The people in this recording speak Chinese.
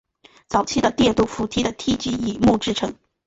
早期的电动扶梯的梯级以木制成。